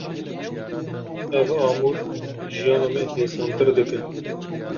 Ev amûr jiyana me hêsantir dikin.